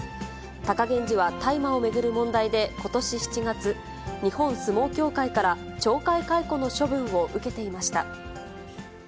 貴源治は大麻を巡る問題でことし７月、日本相撲協会から懲戒解雇の処分を受けていました。